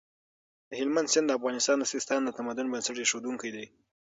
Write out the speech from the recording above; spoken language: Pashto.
د هلمند سیند د افغانستان د سیستان د تمدن بنسټ اېښودونکی دی.